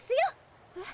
えっ。